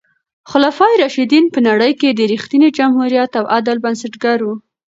خلفای راشدین په نړۍ کې د رښتیني جمهوریت او عدل بنسټګر وو.